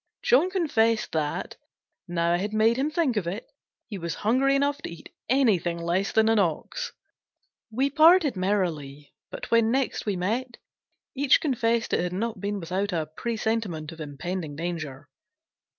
John confessed that, now I had made him think of it, he was hungry enough to eat anything less than an ox. We parted merrily, but when next we met, each confessed it had not been without a presentiment of impending danger.